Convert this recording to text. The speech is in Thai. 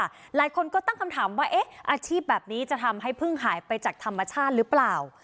หลายคนก็ตั้งคำถามว่าเอ๊ะอาชีพแบบนี้จะทำให้พึ่งหายไปจากธรรมชาติหรือเปล่า